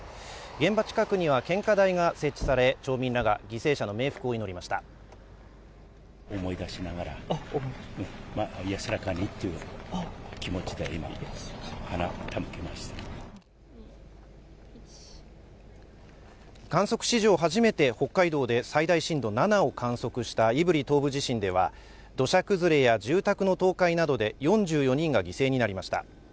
現場近くには献花台が設置され住民らが犠牲者の冥福を祈りました観測史上初めて北海道で最大震度７を観測した胆振東部地震では土砂崩れや住宅の倒壊などで４４人が犠牲になりました